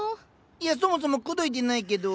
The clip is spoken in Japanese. いやそもそも口説いてないけど。